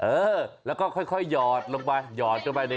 เออแล้วก็ค่อยหยอดลงไปหยอดลงไปนี่